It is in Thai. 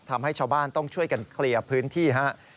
ทำให้ชาวบ้านต้องช่วยกันเคลียร์พื้นที่ครับ